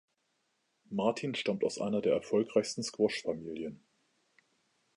Martin stammt aus einer der erfolgreichsten Squash-Familien.